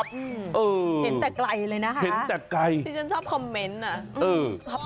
ที่ฉันชอบคอมเมนต์